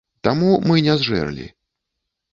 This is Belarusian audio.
Таму мы не зжэрлі.